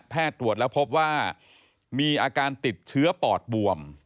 ตรวจแล้วพบว่ามีอาการติดเชื้อปอดบวม